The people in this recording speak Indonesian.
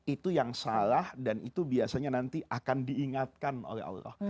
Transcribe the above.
itu yang salah dan itu biasanya nanti akan diingatkan oleh allah